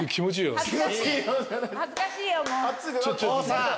恥ずかしいよもう。